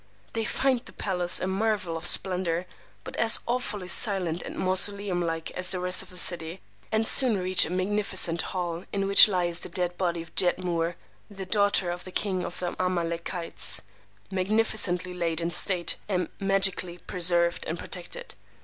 [They find the palace a marvel of splendor, but as awfully silent and mausoleum like as the rest of the city; and soon reach a magnificent hall in which lies the dead body of "Jedmur, the Daughter of the King of the Amalekites," magnificently laid in state, and magically preserved and protected.